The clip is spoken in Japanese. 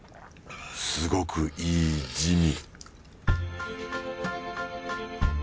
すごくいい滋味